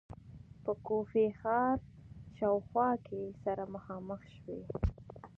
په کوفې ښار شاوخوا کې سره مخامخ شوې.